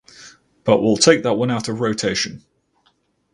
But we’ll take that one out of rotation.